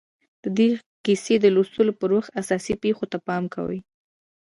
د دې کیسې د لوستلو پر وخت اساسي پېښو ته پام وکړئ